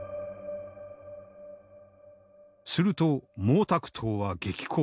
すると毛沢東は激高。